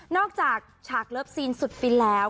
จากฉากเลิฟซีนสุดฟินแล้ว